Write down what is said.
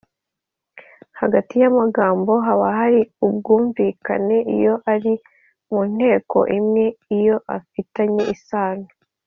hagati y’amagambo haba hari ubwumvikane iyo ari mu nteko imwe, iyo afitanye isano.